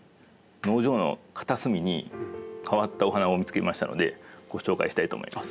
農場の片隅に変わったお花を見つけましたのでご紹介したいと思います。